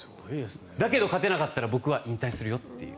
だけど勝てなかったら僕は引退するよっていう。